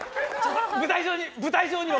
「舞台上に舞台上に！」。